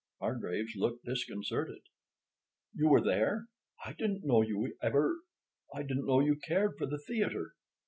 Hargraves looked disconcerted. "You were there? I didn't know you ever—I didn't know you cared for the theater.